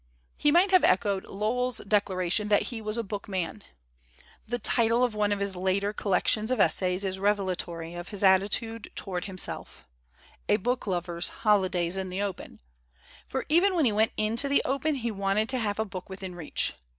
He might have echoed Lowell's declaration that he was a book man. The title of one of his later collections of essays is revelatory of his attitude toward him self, 'A Booklover's Holidays in the Open/ for i when he went into the open he wanted to have a book within reach.